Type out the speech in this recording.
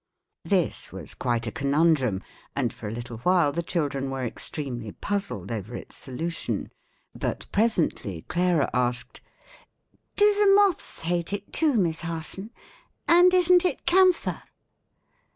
This was quite a conundrum, and for a little while the children were extremely puzzled over its solution; but presently Clara asked, "Do the moths hate it too, Miss Harson? And isn't it camphor?"